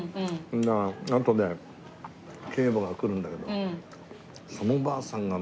あとで継母がくるんだけどそのばあさんがね